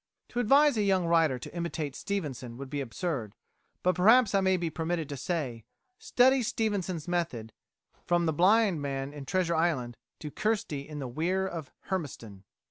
To advise a young writer to imitate Stevenson would be absurd, but perhaps I may be permitted to say: study Stevenson's method, from the blind man in "Treasure Island," to Kirstie in "The Weir of Hermiston."